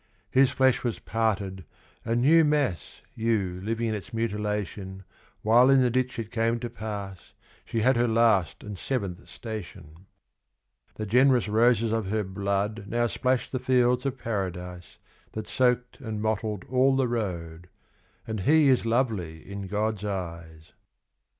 His flesh was parted, a new mass You living in its mutilation While in the ditch it came to pass She had her last and Seventh Station. The generous roses of her blood Now splash the fields of paradise That soaked and mottled all the road, And he is lovely in God's eyes.